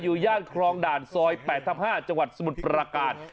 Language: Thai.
ย่านคลองด่านซอย๘ทับ๕จังหวัดสมุทรประการ